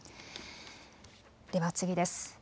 では次です。